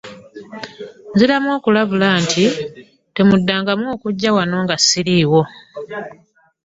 Nziramu okulabula nti temuddangamu okujja wano nga ssiriiwo.